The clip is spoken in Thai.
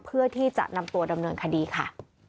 เพื่อที่จะนำตัวดำเนินคดีค่ะ